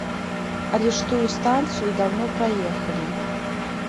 Але ж тую станцыю даўно праехалі.